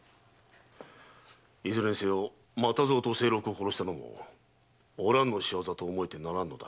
いずれにせよ又蔵と清六を殺したのもお蘭の仕業と思えてならんのだ。